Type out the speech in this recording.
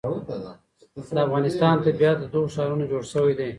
د افغانستان طبیعت له دغو ښارونو جوړ شوی دی.